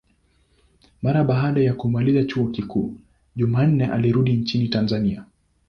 Mara baada ya kumaliza chuo kikuu, Jumanne alirudi nchini Tanzania.